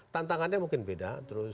tantangannya mungkin beda